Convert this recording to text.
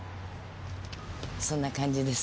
そんな感じです。